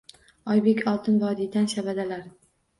Oybek, Oltin vodiydan shabadalar